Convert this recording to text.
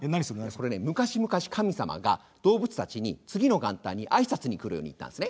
これね昔々神様が動物たちに次の元旦に挨拶に来るように言ったんですね。